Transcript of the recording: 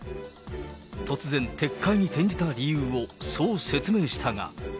突然、撤回に転じた理由を、そう説明したが。